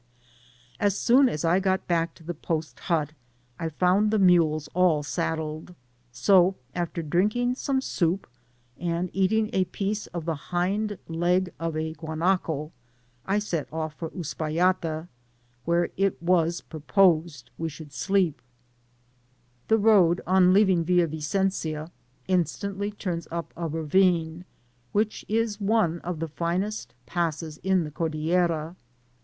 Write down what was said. As soon as I got back to the post hut I found the mules all saddled; so, after drinking some soup and eating p. piece of the hind leg of a gua naco, I set off for Uspallata, where it was pro posed we should sleep. Digitized byGoogk THE ORBAT COaDILLBRA. 137 The road, on leaving YlUa Vieenda, instantly turns up a favine) which in one of the finest passes in the (>ordillera.